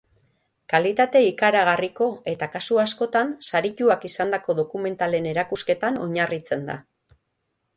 Kalitate ikaragarriko eta, kasu askotan, sarituak izandako dokumentalen erakusketan oinarritzen da.